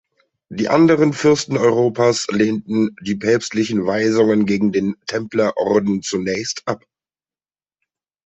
Die anderen Fürsten Europas lehnten die päpstlichen Weisungen gegen den Templerorden zunächst ab.